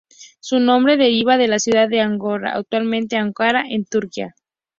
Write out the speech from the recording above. Su nombre deriva de la ciudad de Angora, actualmente Ankara, en Turquía.